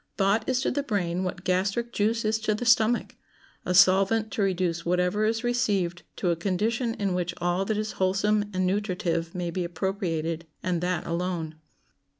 Thought is to the brain what gastric juice is to the stomach—a solvent to reduce whatever is received to a condition in which all that is wholesome and nutritive may be appropriated, and that alone.